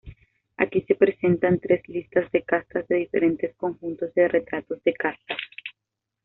Aquí se presentan tres listas de castas de diferentes conjuntos de retratos de castas.